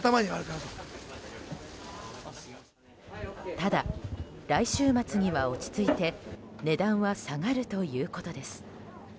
ただ、来週末には落ち着いて値段は下がるということです。